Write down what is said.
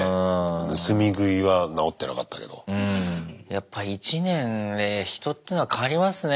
やっぱ１年で人っていうのは変わりますね